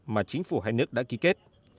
mà chính phủ hai nước đã ký kết